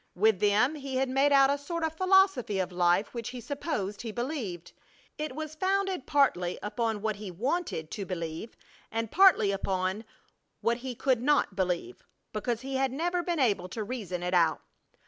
With them he had made out a sort of philosophy of life which he supposed he believed. It was founded partly upon what he wanted to believe and partly upon what he could not believe, because he had never been able to reason it out.